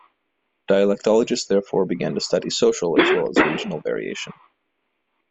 Dialectologists therefore began to study social, as well as regional variation.